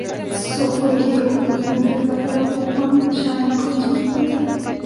Sun fue elegido como el presidente del partido con Huang Xing como su suplente.